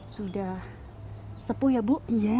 sudah sepuh ya bu